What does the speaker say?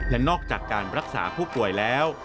และนอกจากการรักษาผู้ป่วยแล้ว